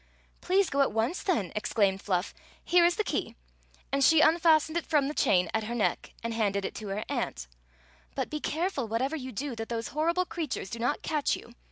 " Please go at once, then !" exclaimed Fluff. " Here is the key," and she unfastened it from the chain at her neck and handed it to her aunt " But be care ful, whatever you do, that those horrible creatures do not catch you.